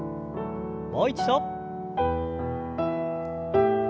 もう一度。